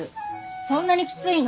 そんなにきついの？